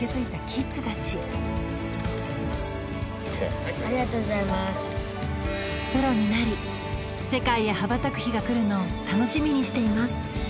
オッケープロになり世界へ羽ばたく日が来るのを楽しみにしています